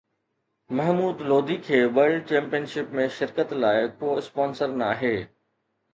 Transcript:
محمود لوڌي کي world championship ۾ شرڪت لاءِ ڪو اسپانسر ناهي